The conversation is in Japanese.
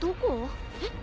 えっ？